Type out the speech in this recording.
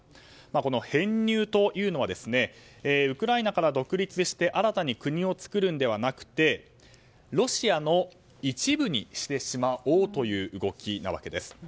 この編入というのはウクライナから独立して新たに国を作るのではなくてロシアの一部にしてしまおうという動きなわけです。